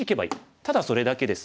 ただそれだけです。